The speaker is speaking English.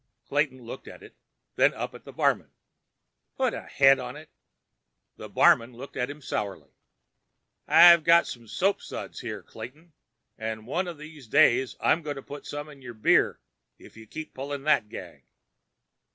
Clayton looked at it, then up at the barman. "Put a head on it." The bartender looked at him sourly. "I've got some soapsuds here, Clayton, and one of these days I'm gonna put some in your beer if you keep pulling that gag."